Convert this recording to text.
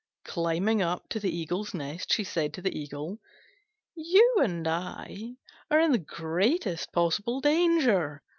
Climbing up to the Eagle's nest she said to the Eagle, "You and I are in the greatest possible danger.